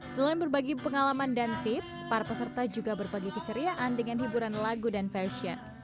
selain berbagi pengalaman dan tips para peserta juga berbagi keceriaan dengan hiburan lagu dan fashion